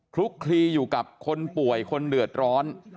คลุกคลีอยู่กับคนป่วยคนเดือดร้อน